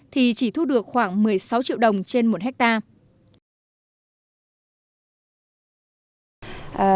thì chỉ thu được khoảng một mươi sáu triệu đồng trên một hectare